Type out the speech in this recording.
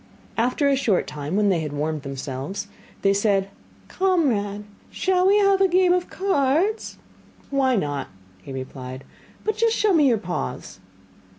After a short time, when they had warmed themselves, they said: 'Comrade, shall we have a game of cards?' 'Why not?' he replied, 'but just show me your paws.